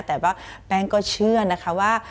แต่ว่าแป้งก็เชื่อนะคะว่า